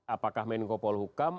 apakah menko polukam